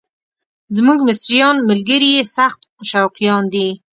زموږ مصریان ملګري یې سخت شوقیان دي.